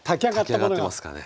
炊き上がってますかね。